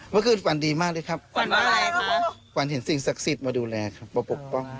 เมื่อคืนฝันดีมากเลยครับฝันว่าอะไรครับฝันเห็นสิ่งศักดิ์สิทธิ์มาดูแลครับมาปกป้อง